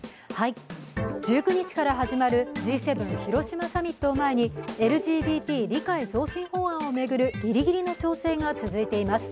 １９日から始まるＧ７広島サミットを前にＬＧＢＴ理解増進法案を巡るギリギリの調整が続いています。